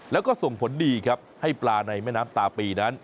แล้วก็ส่งผลดีครับให้ปลาในแม่น้ำตาปีนั้น